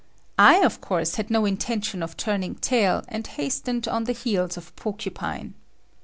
I of course had no intention of turning tail, and hastened on the heels of Porcupine.